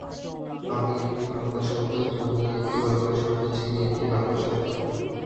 আমি একটি বাংলা শব্দ, তুমি একটি বাংলা শব্দ, চিনি একটি বাংলা শব্দ।